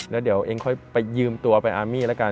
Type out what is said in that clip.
แล้วเดี๋ยวเองค่อยไปยืมตัวไปอาร์มี่แล้วกัน